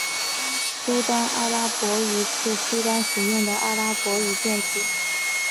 苏丹阿拉伯语是苏丹使用的阿拉伯语变体。